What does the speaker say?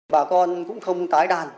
bà con cũng không tái đàn